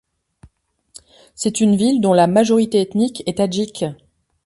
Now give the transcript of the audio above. C'est une ville dont la majorité ethnique est tadjike.